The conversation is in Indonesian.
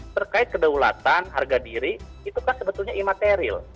terkait kedaulatan harga diri itu kan sebetulnya imaterial